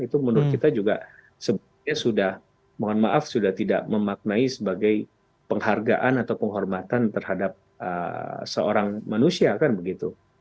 itu menurut kita juga sebenarnya sudah mohon maaf sudah tidak memaknai sebagai penghargaan atau penghormatan terhadap seorang manusia kan begitu